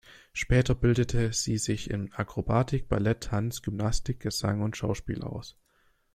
Später bildete sie sich in Akrobatik, Ballett, Tanz, Gymnastik, Gesang und Schauspiel aus.